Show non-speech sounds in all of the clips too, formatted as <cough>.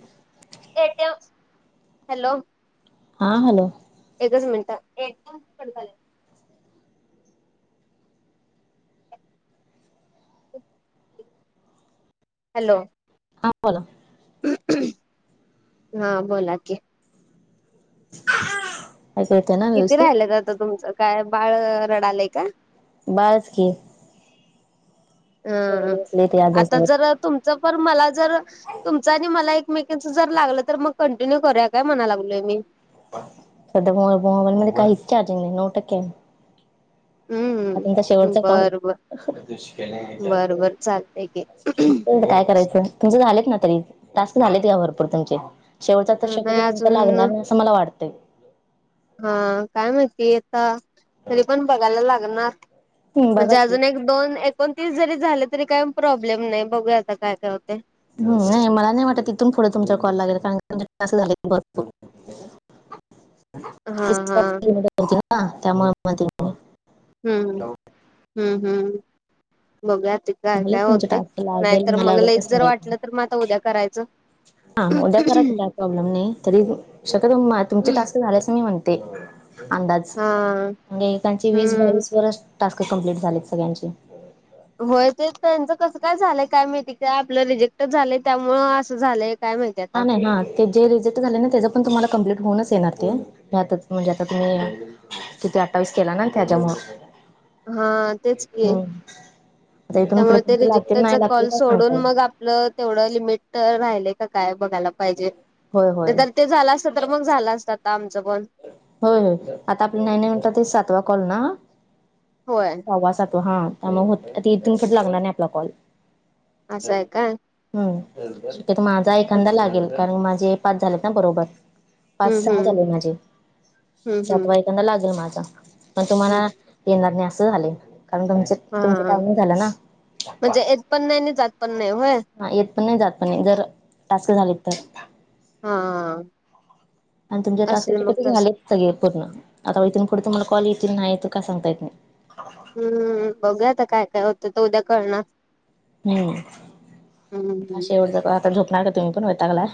<unintelligible> Hello! हा, hello, एकच minute, ये तु <unintelligible> हॅलो! हां बोला. हा बोला की ऐकु एतय ना? किती व्यवस्थित राहिल्यात आता तुमचं? काय बाळ रडालय काय? बाळच कीे अं, ह, आता जर तुमचं पण, मला जर तुमच आणि मला एकमेकांच जर लागलं,, तर मग कंटिन्यू करूया,, काय मणाय लागलोय मी. सध्या मो मोबाईलमध्ये काहीच चार्जिंग नाही, नऊ टक्केय हा तुमचा हम्म शेवटच कॉल. बर बर बर बर चालतय की काय करायचं? तुमचं झालेत ना तरी,, टास्क झालेत घ्या भरपूर तुमचे शेवटचा तर नाही शक्यतो कोणता अजून लागणार नाही, असं मला वाटतंय. हा, काय माहिती आता? तरी पण बघायला लागणार,, हम्म बघा म्हणजे की अजून एक दोन, एकोणतीस जरी झाले तरी काय प्रॉब्लेम नाही,, बघूया आता काय काय होतय? हम,, नाही मला नाही वाटत, ईथून पुढे तुमचा कॉल लागेल कारण तुमचे टास्क झालेत भरपूर. हा हा त्यामुळे म्ह म ते हम्म, हम्म, हम्म. बघुया आता ते काय झालेत काय तुमचे होतेय? टास्क लागेल नाहीतर न मग लागेल काय लयीच जर सांगायचं वाटलं, तर मग आता उद्या करायचं. हा, उद्या करा की, काय प्रॉब्लेम नाही,, तरी शकतो म्मा तुमचे टास्क झाल्याचं मी म्हणते. अंदाज,, हा म्हणजे एकाचे वीस हम्म. बावीस वरच टास्क कंप्लीट झालेत सगळ्यांची. होय, ते त्यांचं कसं काय झालंय काय माहिती? काय आपलं रिजेक्टच झालंय, त्यामुळ असं झालंय काय माहिती? आता हले हाऽ ते जे रिझेल्ट झालेय ना,, त्याचं पण तुम्हाला कमप्लीट होनच येणार, ते,, म्हणजे आता तुम्ही कीती अठ्ठावीस केला ना, त्याच्यामुळ हां, तेच की, आता इथून पुढे त्यामुळे ते तुमचे लागतील रिजेक्टरचा नाही लागतील कॉल काय सांगता सोडून येत नाही. मग आपल तेवढं लिमिट राहिलय का काय बघायला पाहिजे, होय होय. नाही तर, ते झाला. त्र मग झालं असत आता आमचं पण. होय होय,, आता आपला नाही नाही म्हणतात ते सातवा कॉल ना. होय, सावा सातवा,, हा, मग हो हीतन फुड लागणार नाही आपला कॉल असं आहे काय. हम् शक्यत माझा एखादा लागेल. कारण माझे पाच झालेत. ना बरोबर पाच हम्म सहा हम्म झाले. माझे हम्म हम्म सातवाईकंदा लागेल. माझा पण हम्म तुम्हाला येणार नाही. असं झाले. कारण तुमच. हा तुमचं टायमिंग झालं ना म्हणजे येत पण नाही आणि जात पण नाही होय. हा, येत पण नाही, जात पण नाही,, जर टास्क झालेत तर. हां,, आणि तुमचे टास्क झालेत सगळे पूर्ण, आता इथून पुढे तुम्हाला कॉल येथील, नाही एतील, काय सांगता येत नाही. हम्म,, बघू आता काय काय होतय? तो उद्या कळणार. हम्म. अे हम्म एवढ ज आता झोपणार. का तुम्ही पण होतागला.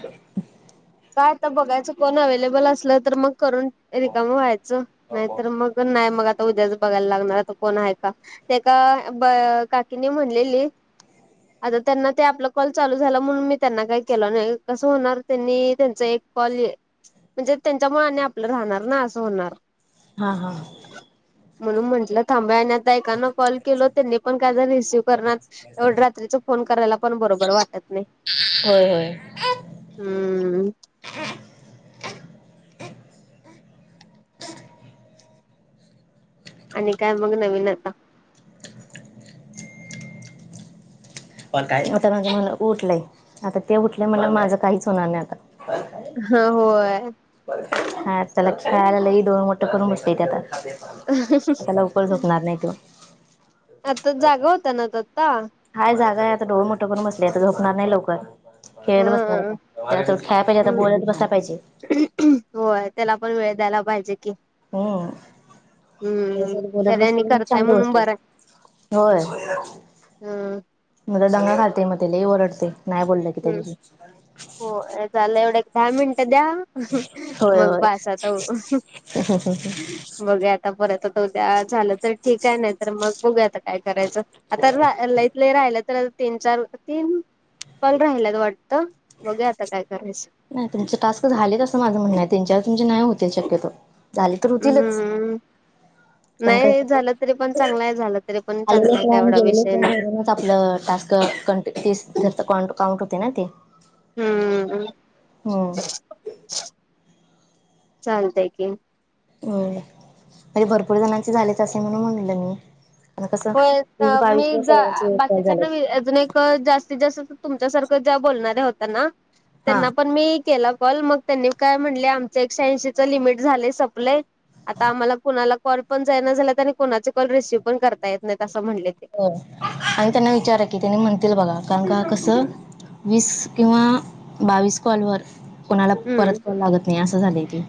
काय आता बघायचं. कोण अव्लेबल असलं. तर मग करून रिकाम व्हायचं. नाही तरर मग नाही. मग उद्याच बघायला लागणार कोण आहे. का ते का काकीने म्हणलेली. आता त्यांना ते आपला कॉल चालू झाला. म्हणून मी त्यांना काय केलं. नाही कसं होणार त्यांनी. त्यांच एक कॉल म्हणजे. त्यांच्या मुने आपलं राहणार. ना असं होणार. हा. हा म्हणून म्हटलं थांब आणि आता एकाना कॉल केल. त्यांनी पण काय रिसीव करणार. रात्रीचा फोन करायला. पण बरोबर वाटत नाही. होय. होय हम्म आणि काय मग नवीन आता आता म्हझे म्हला उठलंय. आता ते उठले म्हला माझं काहीच होणार नाही. आता हा. होय. हा चला खेळायला लई डोळे मोठं करून बसते. ते आता त्याला लवकर झोपणार नाही. तो. आता जागा होता. ना तर आता. हय जागा आहे. आता डोळ मोठं. करून बसली आता झोपणार नाही लवकर खेळत बसणार हा. आता. त्या खेयला पाहिजे. आता हम्म बोलत. बसयला पाहिजे. होय त्याला पण वेळ द्यायला. पाहिजे. कि हम स बोलत त्याला बस आणि तर मग करताय शांत, म्हणून बसत बरं होय आहे. म दडंगा खाते मग त्याला ओरडते नाही बोललं की त्याच्याशी हो लं एवढ्या एक दहा मिनटं द्या. मग. होय मग होय. बास आता. बघू आता परत झालं तर ठीक आहे. नाही तर मग बघू आता. काय करायचं आता. ल इथ ल राहिलं तर तीन चार तीन कॉल राहिला वाटतं बघू आता काय करायचं. नाही तुमच टास्क झालेतचं माझं म्हणणं आहे. त्यांच्यावर तुमचे न नाहीय होतील शक्यतो. झाले तर होतीलच हम्म. ण क नाही झालं तरी पण चांगलं आहे झालं तरी पण चांगला आहे काय आलेलेण एवढा विषय गेलेणऊून नाही <unintelligible> च आपलं टास्क ं घर काउंट होते ना ते <unintelligible> हम्म. हम्म चालतय. की भरपूर जणांचे झालेच असे म्हणून म्हणलं. मी आता कसं होय वीस मी बावीस व ज सगळ्यांचे कॉल बाकीच्या झालेत. ना मी अजून एक <unintelligible> जास्तीत जास्त तुमच्यासारखं ज्या बोलणाऱ्या होत. ना हा त्यांना पण मी केला. कॉल मग त्यांनी काय म्हणले. आमचं एकशे ऐंशीच लिमिट झालं. सप्लाय आता आम्हाला कुणाला कॉल पण जाय ना झालात आणि कोणाचे कॉल रिसीव्ह पण करता येत नाहीत. असं म्हणले. ते हो. आणि त्यांना विचार की त्यांनी म्हणतील बघा कारण. का कसं. वीस किंवा बावीस कॉल वर कोणाला परत हम्म कॉल लागत. नाही. असं झालंय. की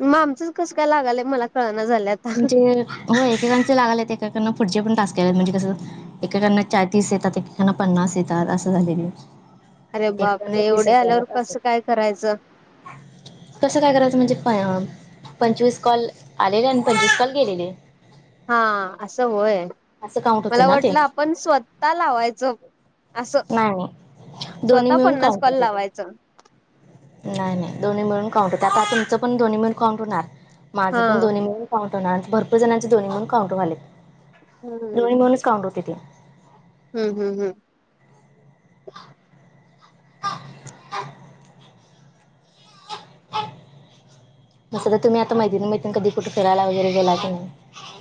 मग आमचंच कसं. काय लागालय मला कळना झाल्यात. म्हणजे हो एकेकांचे लागाले आहेत. एकेकांना पुढचे पण तक केलेत म्हणजे. कसं येतात एेकना पन्नास येतात असं झालेलं. अरे बापरे एवढे आल्यावर तास कसं आहे काय करायचं कसं काय करायचं म्हणजे पंचवीस कॉल आलेल्या पंचवीसल गेलेले. हा असं होय असं काउंट होते मला ना ते वाटलं. आपण स्वतः लावायचं. असं. नाही नाही दोन्ही स्वतः मिळून पन्नास काउंट कॉल होते ते लावायचं. नाही नाही दो् मिळून काउंट होते. आता तुमचं पण दोन्ही मिळून काउंटणार माझं हा पण दोन्ही मिळून. काउंटरणार भरपूर जणांचे दोन्ही म्हणून काउंटर जालेत हम्म दोन् म्हणच काउंटर होते ते हम्म हम् हम् हम् म् सध तुम्ही आता माहिती नाही माहिती कधी कुठे फिरायला वगैरे गेला की नाही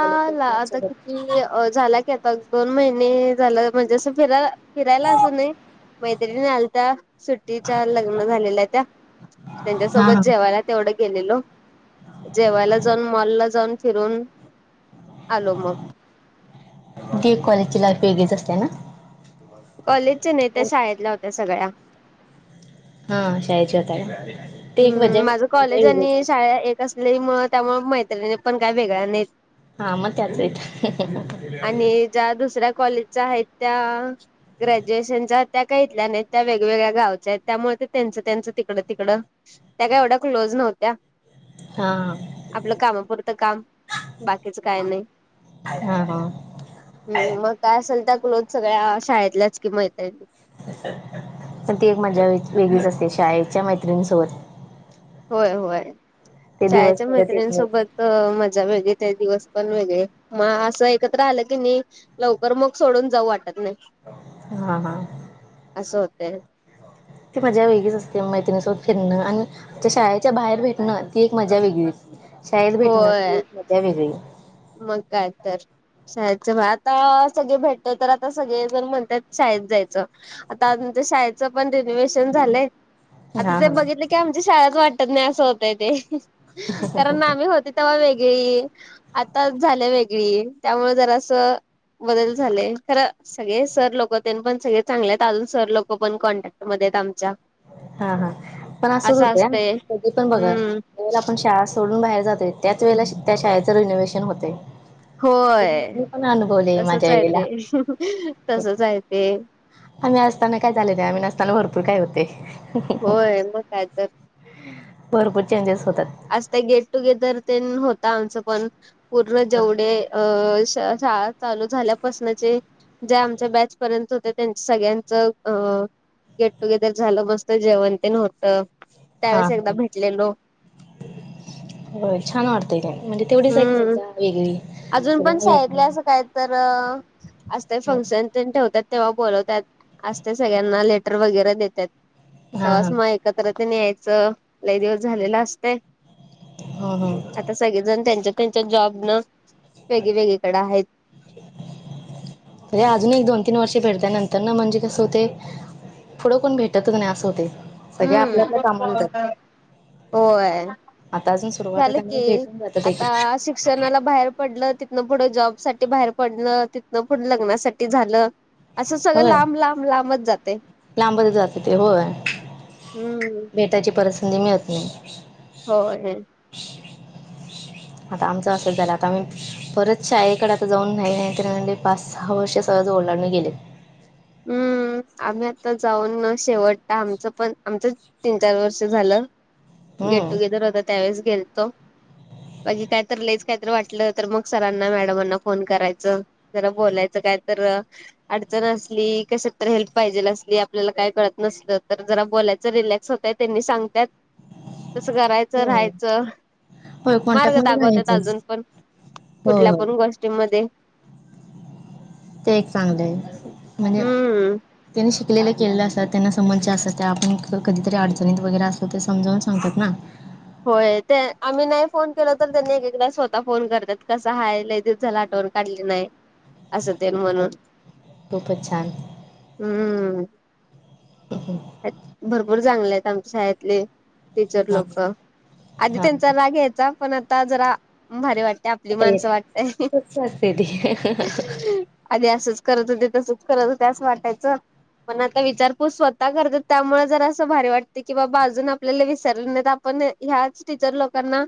कॉलेजच्या फ्रेंड आता सोबत किती झाला ता दोन महिने झालं म्हणजे असं फिरायला फिरायला असं नाही मैत्रिणी आलत सुट्टीच्या लग्न झालेल्या त्या हा त्यांच्यासोबत हा जेवायला तेवढं गेलेलो जेवायला जाऊन मॉलला जाऊन फिरून आलोमग जी कॉलेजची लाईफ वेगळीच असते ना मग कॉलेजच्या नाहीेत मैत्रीणी शाळेतल्या होत्या सगळ्या हां शाळेची होता आहे हम् माझं कॉलेज आणि शाळा एक असल्यामुळे त्यामुळे मैत्रिणी पण काय वेगळया नाहीत. हा मग त्याच आहेत. त्या दुसऱ्या कॉलेजच्या आहेत त्या ग्रॅज्युएशनच्या त्या काही इथल्या नाहीत त्या वेगवेगळ्या गावच्या आहेत त्यामुळे ते त्यांचं त्यांचं तिकडं तिकडं त्या काय एवढ्या क्लोज नव्हत्या. हा हा आपलं कामापुरतं काम बाकीचं काय नाही. हा हा हम् मग काय असेल त्या क्लोथ सगळ्या शाळेतल्याच कि मैत्रीण. पण ती एक मजा व वेगळीच असते शाळेच्या मैत्रिणीसोबत. होय होय ते दिवस शाळेच्या परत येत मैत्रिंणीसोबत. नाहीत होय मजा वेगळी ते दिवस पण वेगळे मग असं एकत्र आलं की नी लवकर मग सोडून जाऊ वाटत नाही. हा हा असं होतय. ती मजा वेगळीच असते मैत्रिणीसोबत फिरणं आणि शाळेच्या बाहेर भेटणं ती एक मजा वेगळीच. शाळेत भेटण्याची होय ती मज्जा वेगळीच. मग काय तर शाळेतच आता सगळे भेटत तर आता सगळे जर म्हणतात शाळेत जायचं आता शाळेचं पण रिनोवे्शन झालंय. आता हा ते हा बघितले की आमच्या शाळच वाटत नाही असं होतय ते कारण होती तेव्हा वेगळी आता झाली वेगळी त्यामुळे जरा असं बदल झालेय खरं सगळे सर लोक त्यां पण सगळे चांगले आहेत अजून सर लोक पण कॉन्टॅक्ट मध्ये आमच्या. हा हा पण असंच असं होतं असतय कधी पण बघा हम्म जर आपण शाळा सोडून बाहेर जाते त्याच वेळेला त्या शाळेचं रिनोव्हेशन होतय. होय तसच माझ्या आहे वेळेला ते तसच आहेय ते. मी असताना काय झाले जायला नसताना रडते काय होतय. होय मग काय तर भरपूर चेंजेस होतात. आज तर, गेट-टुगेदर तेन होता आमचंपण पूर्ण हा जेवढे अ... शाळा चालू झाल्यापासूनचे ज्या आमच्या बॅच पर्यंत होत्या, त्यांच्या सगळ्यांचं. अ.. गेट-टुगेदर झालं, मस्तं जेवण तेन होतं. हा. त्यावेळेस एकदा भेटलेलो होय, छान वाटतंय का? म्हणजे तेवढीच ऐकत हम्म जा. वेगळी अजून पण सगळ्यांना शाळेतल्या असं भेटणं काय तर असतंय फंक्शन ठेवतात तेव्हा बोलवतात असते सगळ्यांना लेटर वगैरे देतात. हा हा त्यामुळेच मग एकत्र यायचं लय दिवस झालेल असतय. हा हा आता सगळेजण त्यांच्या त्यांच्या जॉब न वेगळे वेगळीकडे आहेत. म्हे अजून एक दोन तीन वर्षे भेडत नंतर ना म्हणजे कस होते पुढं कोण भेटतच नाही, असं होतंय. हम्म्.. <inaudible> होय. आता, अजून सुरवा झालं की. आता सुट शिक्षणाला बाहेर पडलं, तिथनं पुढं जॉब साठी बाहेर पडणं. तिथनं पुढं लग्नासाठी झालं असं सगळं होय लांब-लांब, लांबत जातंय. लांबच जात ते होय हम्म्. भेटायची, परत संधी मिळत नाही. हो, नं. आता आमचं, असंच झालं. आता आम्ही परत शाळेकडे आता जाऊन नाही-नाही तर, पाच-सहा वर्ष सहज ओलांडून गेले. हम्म्. आम्ही आता जाऊन मग शेवट आमचं पण, आमचंच तीन-चार वर्ष झालं. हम्म गेट-टुगेदर होतं, त्यावेळेस गेलतो. म्हणजे काय तर, लईच काय तर वाटलं तर मग सरांना, मॅडमांना फोन करायचं. जरा बोलायचं, काय तर अडचण अस की कशात तर हेल्प पाहिजेलं असली, आपल्याला काय कळत नसलं तर, जरा बोलायचं. रिलॅक्स होतंय, त्यांनी सांगतात. कसं करायचं? होय राहायचं? होय कॉन्टॅक्ट मार्ग मध्ये दाखवतात राहायचंच अजून पणं, हो कुठल्या हो पणं गोष्टीमध्ये. ते, एक चांगलं आहे. म्हणजे हम्म त्यांनी शिकलेलं केलेलं असतात. त्यांना समस्या असतात त्या, आपण कधीतरी अडचणीत वगैरे असलो तर समजावून सांगतात ना! होय. ते आम्ही नाही फोन केला तर, त्यांनी एक-एकदा स्वतः फोन करतात. कसं आहे? लई दिवस झाले, आठवण काढली नाही. असं तेन, म्हणून. खूपच छान हम्. <unintelligible> भरपूर चांगले आहेत. आमच्या शाळेतले, टीचर हा लोकं. आधी हा त्यांचा राग यायचा, पण आता जरा भारी वाटतंय. आपली आता माणसं, येत वाटतंय. तच असते ती हो आधी असंच करत होते, तसंच करत होते. असं वाटायचं. पण आता विचारपूत स्वतः करतात. त्यामुळे जरा असं भारी वाटते की, बाबा अजून आपल्याला विसरले नाहीत. आप पण ह्याच टीचर लोकांना,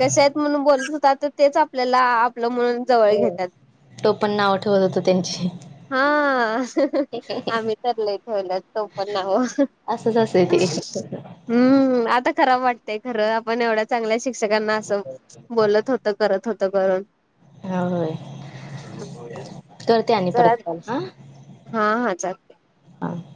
कसे आहेत म्हणून बोलत होतात. तेच आपल्याला, आपलं म्हणून जवळ घेतात. टोपण नावं ठेवत होतो, त्यांची. हा.. आम्ही तर, लई ठेवलेत टोपण नावं. असंच, असतंय ते. हम्म्... आता खराब वाटतंय खरं, आपण एवढ्या चांगल्या शिक शिक्षकांना असं बोलत होतो, करत होतो करून. होय, करते आणि जरा परत कॉल. हा. हा.. हा, चालतंय. हा.